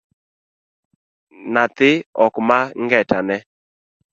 Nyathi ok ma ngeta ne